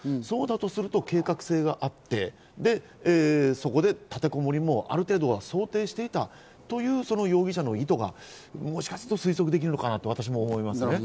そうだとすると計画性があって、そこで立てこもりをある程度、想定していたという容疑者の意図がもしかすると推測できるかなと私も思います。